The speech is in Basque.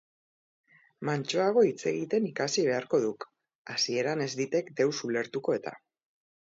Mantsoago hitz egiten ikasi beharko duk, hasieran ez ditek deus ulertuko eta.